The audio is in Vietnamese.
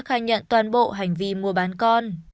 khai nhận toàn bộ hành vi mua bán con